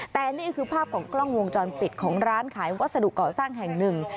แต่นี่คือภาพของกล้องวงจรปิดของร้านขายวัสดุเกาะสร้างแห่งหนึ่ง